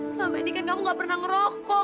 selama ini kan kamu gak pernah ngerokok